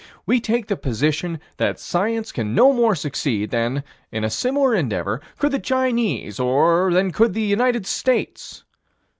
We take the position that science can no more succeed than, in a similar endeavor, could the Chinese, or than could the United States.